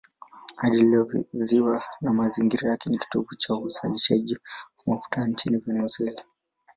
Hadi leo ziwa na mazingira yake ni kitovu cha uzalishaji wa mafuta nchini Venezuela.